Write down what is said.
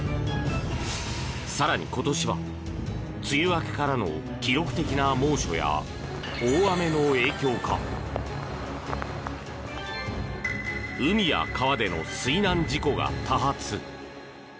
更に、今年は梅雨明けからの記録的な猛暑や、大雨の影響か海や川での水難事故が多発。